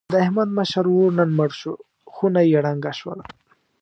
د احمد مشر ورور نن مړ شو. خونه یې ړنګه شوله.